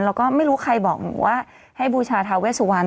แล้วก็ไม่รู้ใครบอกหนูว่าให้บูชาทาเวสวัน